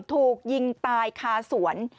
ถูกยิงตายคาสวน